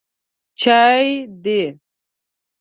_چای دی؟